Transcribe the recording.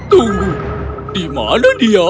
tunggu di mana dia